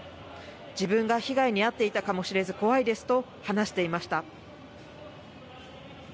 自分が被害に遭っていたかもしれず怖いですと話していました。